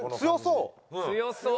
「強そう」？